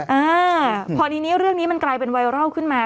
อ่าพอทีนี้เรื่องนี้มันกลายเป็นไวรัลขึ้นมา